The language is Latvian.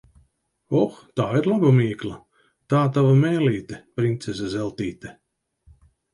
Oh, tā ir laba mīkla! Tā tava mēlīte, princese Zeltīte.